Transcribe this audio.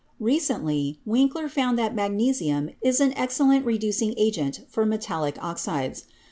Recently Winkler found that magnesium is an excellent reducing 256 CHEMISTRY agent for metallic oxides.